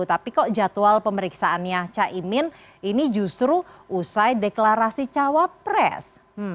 tapi kok jadwal pemeriksaannya caimin ini justru usai deklarasi cawapres